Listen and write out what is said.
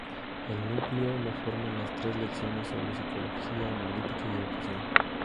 El núcleo lo forman las tres lecciones sobre "Psicología analítica y educación".